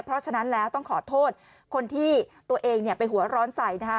เพราะฉะนั้นแล้วต้องขอโทษคนที่ตัวเองไปหัวร้อนใส่นะคะ